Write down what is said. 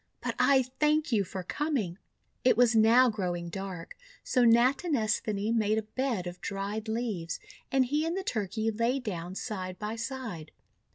But I thank you for coming!'1 It was now growing dark, so Natinesthani made a bed of dried leaves, and he and the Turkey lay down side by side.